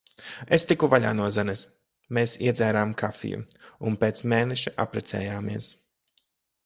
Es tiku vaļā no Zanes. Mēs iedzērām kafiju. Un pēc mēneša apprecējāmies.